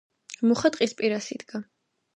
მუხა ტყის პირას იდგა.